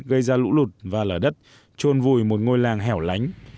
gây ra lũ lụt và lở đất trôn vùi một ngôi làng hẻo lánh